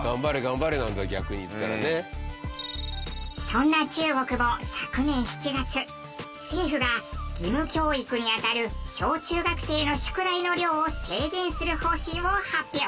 そんな中国も昨年７月政府が義務教育にあたる小中学生の宿題の量を制限する方針を発表。